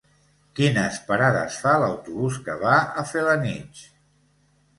Quines parades fa l'autobús que va a Felanitx?